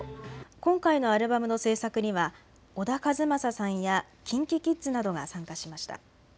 今回のアルバムの制作には小田和正さんやＫｉｎＫｉＫｉｄｓなどが参加しました。